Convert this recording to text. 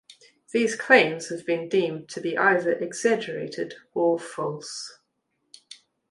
These claims have been deemed to be either exaggerated or false.